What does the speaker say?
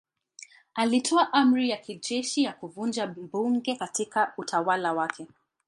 Alitoa amri ya kijeshi ya kuvunja bunge katika utawala wake.